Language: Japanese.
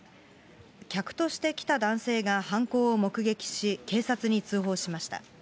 客として来た男性が犯行を目撃し、警察に通報しました。